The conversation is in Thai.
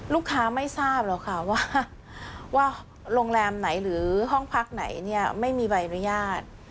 ลูกค้าไม่ทราบหรอกค่ะว่าโรงแรมไหนหรือห้องพักไหนเนี่ยไม่มีใบอนุญาต